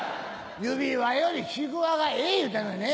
指輪よりちくわがええ言うてんのよね。